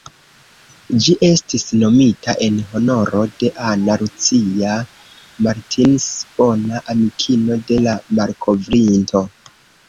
Ĝi estis nomita en honoro de "Ana Lucia Martins", bona amikino de la malkovrinto.